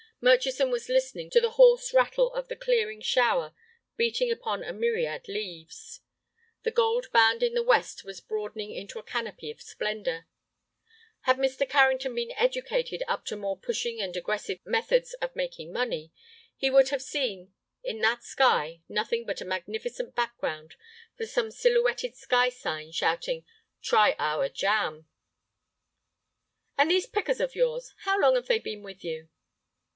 Murchison was listening to the hoarse rattle of the clearing shower beating upon a myriad leaves. The gold band in the west was broadening into a canopy of splendor. Had Mr. Carrington been educated up to more pushing and aggressive methods of making money, he would have seen in that sky nothing but a magnificent background for some silhouetted sky sign shouting "Try Our Jam." "And these pickers of yours, how long have they been with you?"